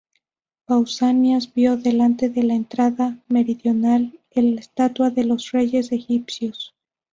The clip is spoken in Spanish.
Pausanias vio delante de la entrada meridional la estatua de los reyes egipcios.